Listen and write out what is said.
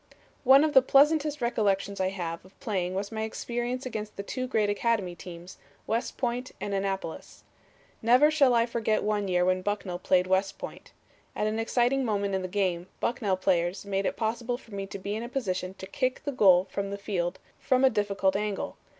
"One of the pleasantest recollections I have of playing was my experience against the two great academy teams, West Point and Annapolis. "Never shall I forget one year when Bucknell played West Point. At an exciting moment in the game, Bucknell players made it possible for me to be in a position to kick the goal from the field from a difficult angle.